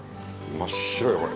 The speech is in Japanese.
真っ白や、これ。